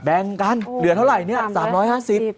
แบ่งกันเหลือเท่าไหร่เนี่ย๓๕๐บาท